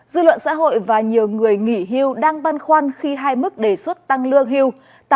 dư luận xã hội và nhiều người nghỉ hưu đang băn khoăn khi hai mức đề xuất tăng lương hưu